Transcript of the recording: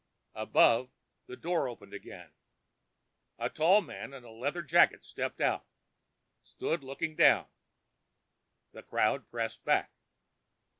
Above, the door opened again. A tall man in a leather jacket stepped out, stood looking down. The crowd pressed back.